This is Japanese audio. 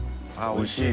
おいしい！